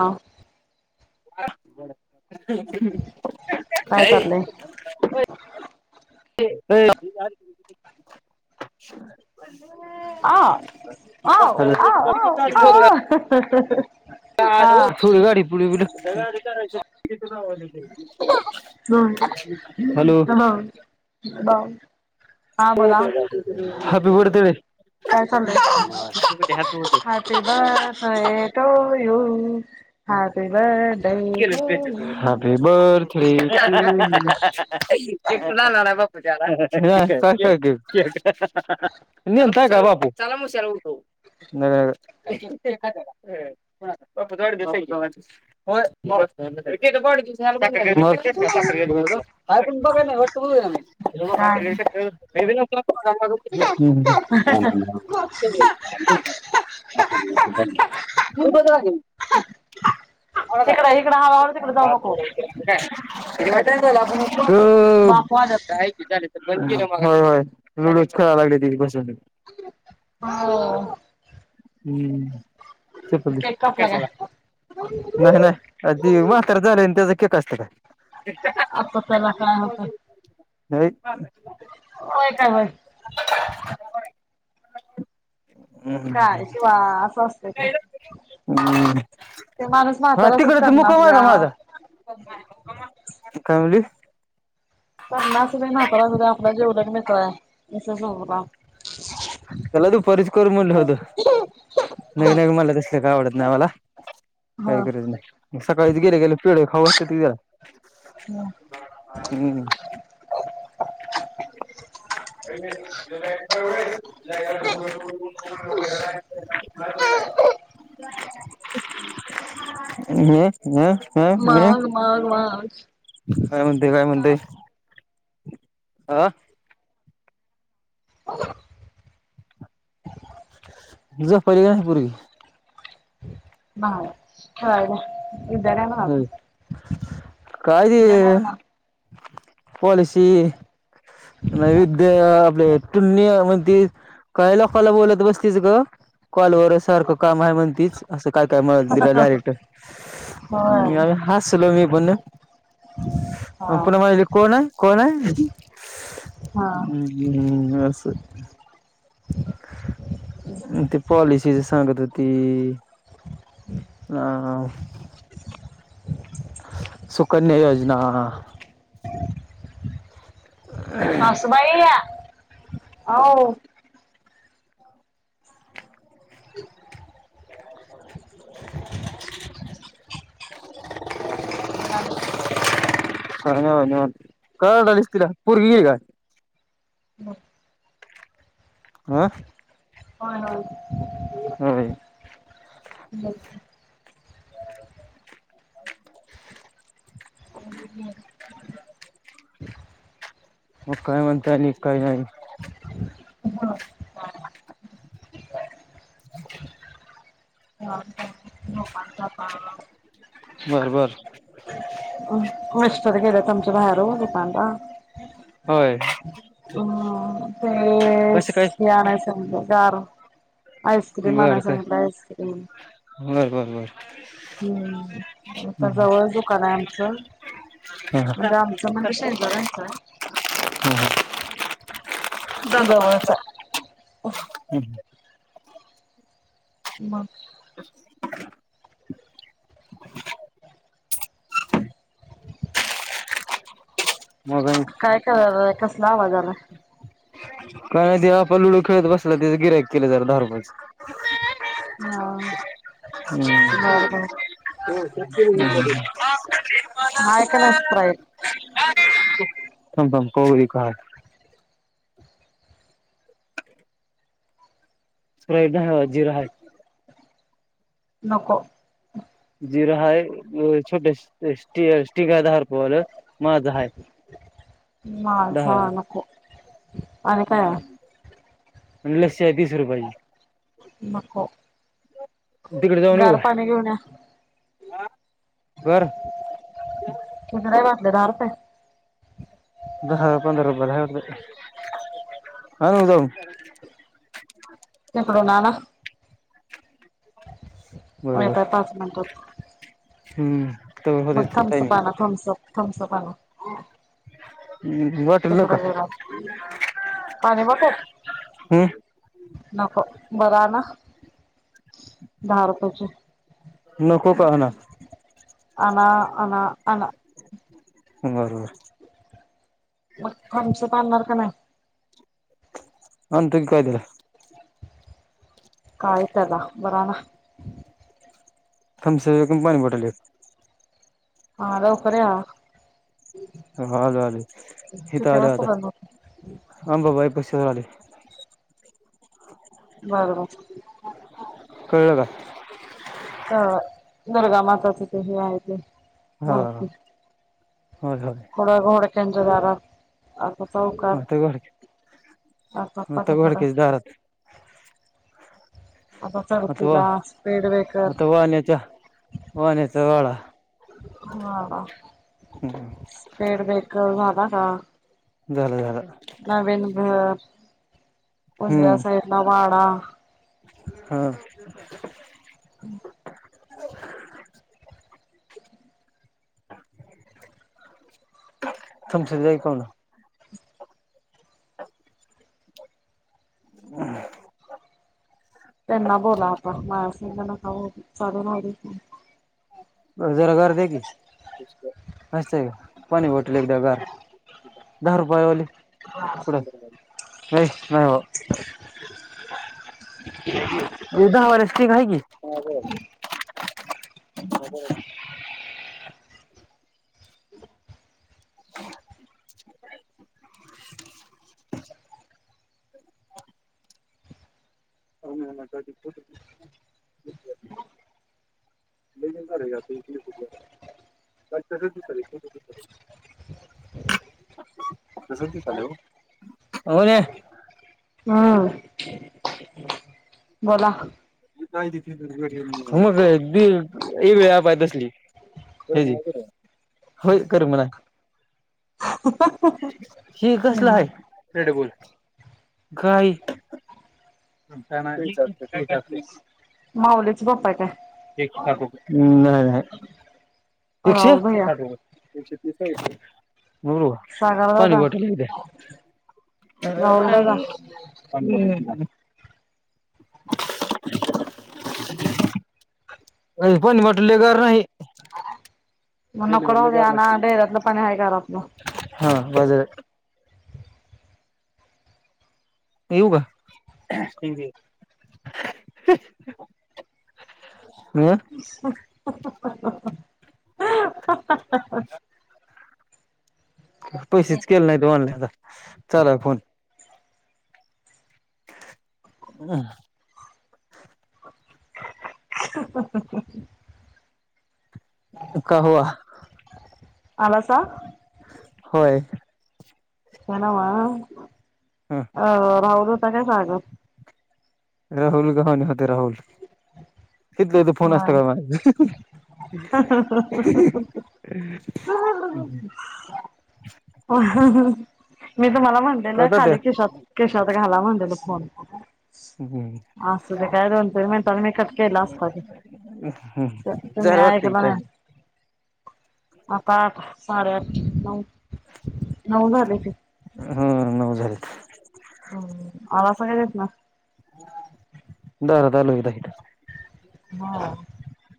हा. काय चाललंय? अ अय. ह ओ आ आ आ थोडी गाडी पुढील गे [unintelligible] हम हॅलो ह हॅपी बर्थडे काय चालूय हाती बसयेतो यऊ हॅपी बडे हॅपी बर्थडे. [unintelligible] नेनता का बापू. नग नग दि मग [unintelligible] काय नाही [unintelligible] [unintelligible] [unintelligible] इकडं [unintelligible] [unintelligible] [unintelligible] इकडं हळूहळू तिकडे जाऊ नको बाप वाजत होय, लुडोच खेळायला लागले त बसून. हो. हम्म. केक [unintelligible] कापला कशाला, काय नाही नाही अ ती म्हातार झालय त्याज [unintelligible] असत काय? आता पेला काय होते हे. होय काय होय? काय शिवा असं अस हम्, ते माणूस हा म्हातारा तिकड सुद्धा त मुकाम आहे का करणार माझा? काय म्हली? तरणा असू दे म्हातारा असू दे आपला जिवलग मित्र हाय विषय संपला. त्याला दुपारीच करू मनल होत. नग नग मला तसल काय आवडत नाही मला काही गरज नाही, सकाळी गेले गेले पेढे खाऊन मग [unintelligible] हम्म. ग [inaudible] [unintelligible] हा मी, काय म्हणतोय? मग मग काय म्हणतोय? आह अ झोपायलि का नाय पुर्गी? हा, ठेवाय जा. विद्यालय म्हणा [unintelligible] पॉलिसी नैवेद्य आपले काय लोकला बोलत बसतेच ग कॉलवर सारखं काम आहे म्हणतीच असं काय काय म्हत दिलं डायरेक्ट होय हा [unintelligible] पुन्हा माली कोण आहे कोण आहे हा हम्मम असं ते पॉलिसीच सांगत होते ते ह सुकन्या योजना [unintelligible] [unintelligible] मग आणि काय का ओरढलीस तिला पोरगी आहे का [unintelligible] आ [unintelligible] [unintelligible] मग काय म्हणता? आणि काय नाही. [inaudible] [unintelligible] लोकांच आता बर बर मिस्टर गेले आमचे बाहेर दुकानला. होय. हम्. ते कसं काय मी आणल्या सांगितले, गार आईस्क्रीम आणाय बर काय सांगितले आईस्क्रीम. बर बर बर. हम्म आता जवळच दुकान आहे आमचं. हा हा म्हणजे आमचं म्हणजे शेजारांचे आहे. जवळच आहे [unintelligible] मग [inaudible] [inaudible] मग आणि काय काय करायला कसला आवाज आला? का नाही ते आपण लुडू खेळत बसला त्याचं गिऱ्हाईक केले दहा रुपयाचं. हा. बर हम्म. बर [unintelligible] हाय का नाही स्प्राईट थांब थांब काळुदे काय आता जिरे आहे. नको. जिरा आहे, छोटेसे स्टी गाय दहा रुपयाचे. बोल, माझा हाय माझा दहावाला. नको आणि काय आहे? लस्सी आहे तीस रुपयाचे. नको. गार पाणी घेऊन या! आ! [unintelligible] दहा पंधरा रुपायला आहे वाटत. आलो ना जाऊन. तिकडून आणा! हो बरोबर येतोय पाच मिनटात. हम्म. तवर मग होतंय थम्सअप आणा, थम्सअप थम्सअप आणा. टायमिंग बॉटल तिकड नका गेल्यावर, पाणी बॉटल हम्म नको, बर आना दहा रुपयची. नको का आणा आणा आणा आणा. बरोबर. मग थम्स अप आणणार का नाही? आणतो की काय त्याला! काय त्याला बर आना. थम्सअप एक आणि पाणी बॉटल एक. हा लकर या. हा आलोय आलोय, हिथं किती आलोय वाजता आता बंद होते? हा अंबाबाई जवळ आलोय. बरोबर [unintelligible] कळल का? का दुर्गामाताच ते हे आहे ते हा मूर्ती. होय होय [unintelligible] आता घोडके [inaudible] आता घोडकेच्या दारात [unintelligible] आता चढतीला स्पीड ब्रेकर [unintelligible] [unintelligible] [unintelligible] हा स्पीड ब्रेक झाला का? झालं झाल. नवीन हम्म [unintelligible] हा [inaudible] [inaudible] तुमच जाई कोण. [inaudible] [unintelligible] त्यांना बोला आता माळासाहेबना जरा गार द्या की [unintelligible] पाणी बाटल एक द्या गार. दहा रुपय वाली [unintelligible] [inaudible] हाय की दहा वाला स्टिंग हाय की. [inaudible] [inaudible] [inaudible] [unintelligible] [inaudible] [inaudible] [inaudible] हा बोला. [unintelligible] [inaudible] होय करमना. हे कसल हम्म हाय. [unintelligible] घाई. [unintelligible] माऊलीच [unintelligible] एकशे साठ रुपये अं [inaudible] एकशे राहुल भैया साठ रुपये. [unintelligible] सागर पाणी दादा बाॉटली अ राहुल दादा [inaudible] [unintelligible] पाणी बॉटल गार नाही. हा [unintelligible] बाजारात येऊ का? हम. [inaudible] पैसेच केले नाही त ऑनला आता चाला फोन. हम. कावा आलासा होय. हा [unintelligible] राहुल गनानी होते राहुल, तिथलं ते फोन होय असतया माझं [unintelligible] [unintelligible] मी तुम्हाला म्हटले न कळत ते खाली खिशात खिशात घाला म्हणले तो फोन. असं ते काय [unintelligible] कट केला असतां. त तुम्ही झालं वाटते की ऐकलं ना टाइम आता आठ साडे आठ नऊ नऊ झालेचय हा नऊ झाले हम्म आलासा का तिथन? [unintelligible] हां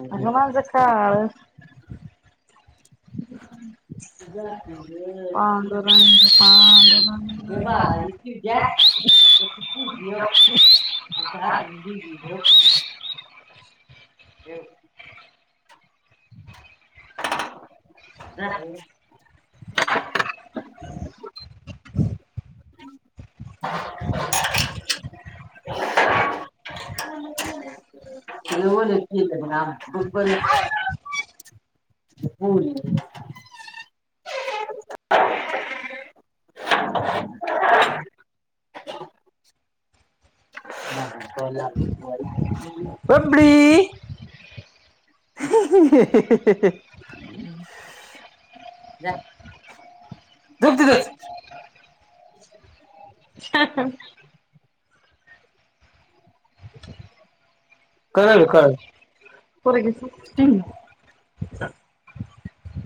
इथं माझ [inaudible] पांडुरंग पांडुरंग [unintelligible] [unintelligible] [inaudible] [unintelligible] [unintelligible] [unintelligible] [inaudible] [unintelligible] होय. [inaudible] [inaudible] बबडी. [unintelligible] थुक तीथच. [unintelligible] कळालं कळालं [unintelligible]